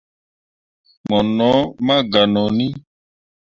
Mo no maa ganoni.